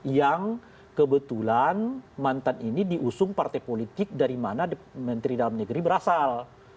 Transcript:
yang kebetulan mantan ini diusung partai politik dari mana menteri dalam negeri berasal